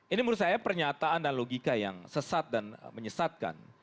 ini menurut saya pernyataan dan logika yang sesat dan menyesatkan